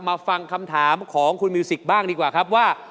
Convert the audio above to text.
มาฟังคำถามของคุณมิวสิกบ้างดีกว่าครับว่า